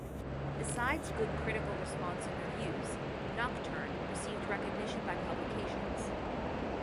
Besides good critical response in reviews, "Nocturne" received recognition by publications.